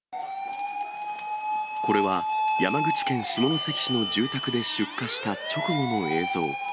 これは、山口県下関市の住宅で出火した直後の映像。